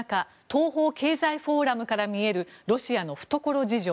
東方経済フォーラムから見えるロシアの懐事情。